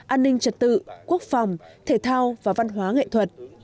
an ninh trật tự quốc phòng thể thao và văn hóa nghệ thuật